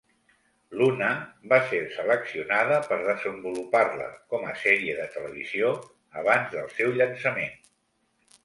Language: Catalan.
"Luna" va ser seleccionada per desenvolupar-la com a sèrie de televisió abans del seu llançament.